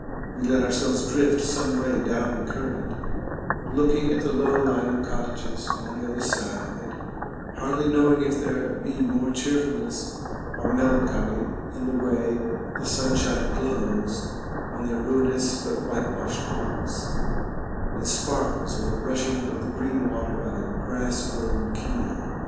We let ourselves drift some way down the current, looking at the low line of cottages on the other side of it, hardly knowing if there be more cheerfulness or melancholy in the way the sunshine glows on their ruinous but whitewashed walls, and sparkles on the rushing of the green water by the grass grown quay.